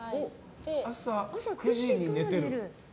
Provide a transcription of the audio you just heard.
朝９時に寝てる。